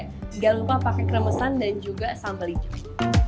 jangan lupa pakai kremesan dan juga sambal hijau